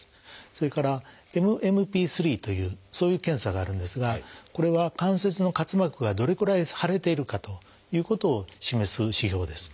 それから「ＭＭＰ−３」というそういう検査があるんですがこれは関節の滑膜がどれくらい腫れているかということを示す指標です。